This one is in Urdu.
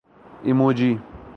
ایموجی